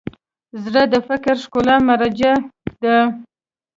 زړه د فکري ښکلا مرجع ده.